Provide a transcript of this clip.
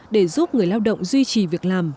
để giúp người lao động duy trì việc làm